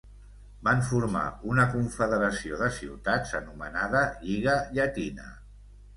Van formar una confederació de ciutats, anomenada Lliga Llatina.